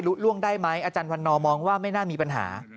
ล่วงได้ไหมอาจารย์วันนอมองว่าไม่น่ามีปัญหา